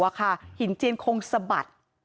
อ่ะค่ะหินเจียนคงสะบัด